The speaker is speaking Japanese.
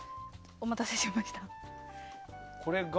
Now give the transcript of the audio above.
お待たせしました。